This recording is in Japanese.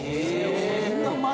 そんな前⁉